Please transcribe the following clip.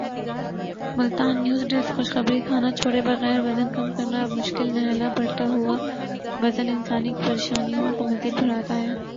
Multan news desk خشخبری کھانا چھوڑے بغیر وزن کم کرنا اب مشکل نہلا بڑھتا ہوا وزن انسان کی پریشانیوں کو مذید بڑھاتا ہے